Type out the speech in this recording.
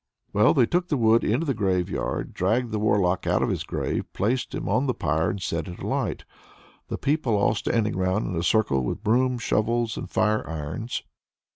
Well, they took the wood into the graveyard, dragged the Warlock out of his grave, placed him on the pyre, and set it alight the people all standing round in a circle with brooms, shovels, and fire irons.